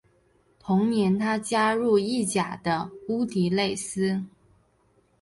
同年他加入意甲的乌迪内斯。